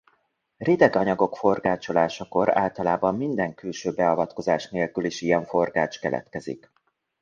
Rideg anyagok forgácsolásakor általában minden külső beavatkozás nélkül is ilyen forgács keletkezik.